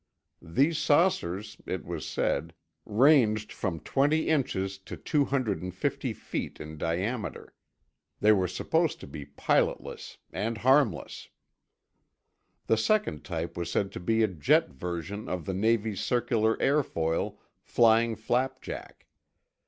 These saucers, it was said, ranged from 20 inches to 250 feet in diameter. They were supposed to be pilotless—and harmless. The second type was said to be a jet version of the Navy's circular airfoil "Flying Flapjack."